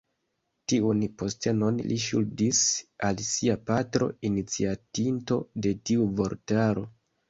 Tiun postenon li ŝuldis al sia patro, iniciatinto de tiu vortaro.